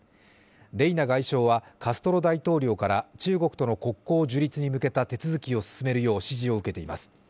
レイナ外相はカストロ大統領から中国との国交樹立に向けた手続きを進めるよう指示を受けています。